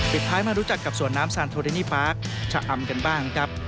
ท้ายมารู้จักกับสวนน้ำซานโทเดนี่ปาร์คชะอำกันบ้างครับ